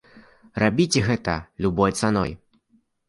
Рабіце гэта любой цаной.